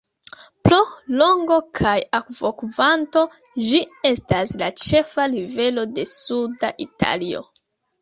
Pro longo kaj akvokvanto, ĝi estas la ĉefa rivero de suda Italio.